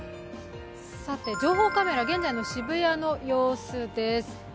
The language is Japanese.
情報カメラ、現在の渋谷の様子です。